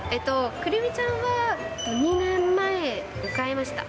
くるみちゃんは、２年前に買いました。